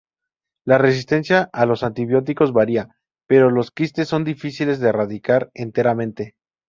La resistencia a los antibióticos varía, pero los quistes son difíciles de erradicar enteramente.